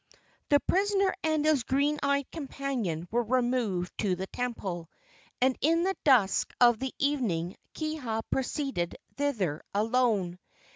The prisoner and his green eyed companion were removed to the temple, and in the dusk of the evening Kiha proceeded thither alone.